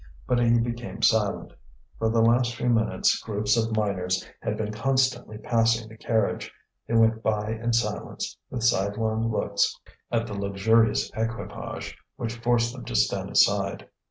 But he became silent. For the last few minutes groups of miners had been constantly passing the carriage; they went by in silence, with sidelong looks at the luxurious equipage which forced them to stand aside.